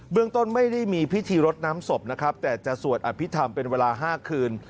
เรื่องต้นไม่ได้มีพิธีรดน้ำศพนะครับแต่จะสวดอภิษฐรรมเป็นเวลา๕คืน